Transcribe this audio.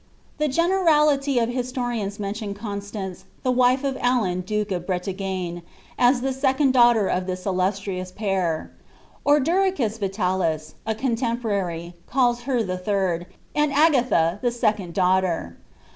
The generality of historians mention Constance, the wife of Alan duke of Bretagne, as the second daughter of this illustrious pair. Ordericus Vitalis, a contemporary, calls her the third,' and Agatha the second daughter.